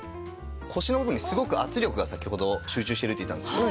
腰の部分にすごく圧力が先ほど集中してるって言ったんですけど。